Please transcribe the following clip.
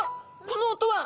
この音は！